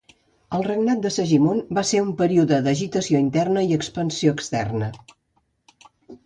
El regnat de Segimon va ser un període d'agitació interna i expansió externa.